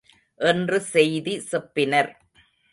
என்று செய்தி செப்பினர்.